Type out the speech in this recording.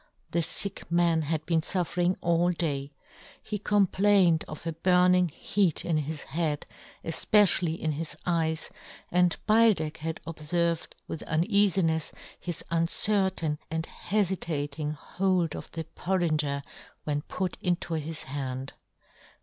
The fick man had been fuflfer ing all day ; he complained of a burn ing heat in his head, efpecially in his eyes, and Beildech had obferved with John Gutenberg. 97 uneafinefs his uncertain and heiita ting hold of the porringer when put into his hand.